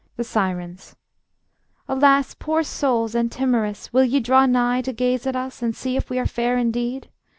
The Sirens: Alas! poor souls and timorous, Will ye draw nigh to gaze at us And see if we are fair indeed?